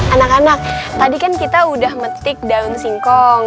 anak anak tadi kan kita udah metik daun singkong